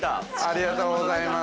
◆ありがとうございます。